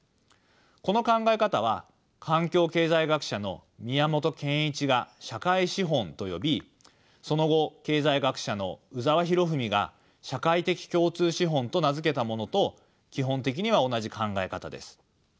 この考え方は環境経済学者の宮本憲一が「社会資本」と呼びその後経済学者の宇沢弘文が「社会的共通資本」と名付けたものと基本的には同じ考え方です。